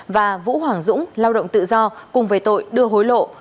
và vũ hoàng dũng lao động tự do cùng về tội đưa hối lộ